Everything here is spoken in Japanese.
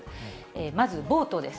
まずボートです。